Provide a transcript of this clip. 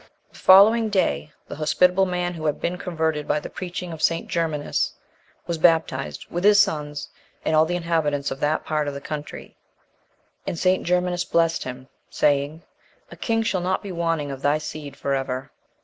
35. The following day, the hospitable man who had been converted by the preaching of St. Germanus, was baptized, with his sons, and all the inhabitants of that part of the country; and St. Germanus blessed him, saying, "a king shall not be wanting of thy seed for ever."